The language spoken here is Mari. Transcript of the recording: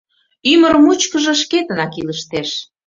Ӱмыр мучкыжо шкетынак илыштеш.